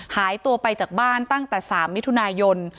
หายตัวไปจากบ้านตั้งแต่๓มิถุนายน